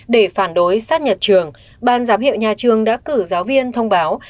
để phản đối sát nhập trường ban giám hiệu nhà trường đã cử giáo viên thông báo